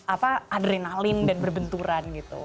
apa adrenalin dan berbenturan gitu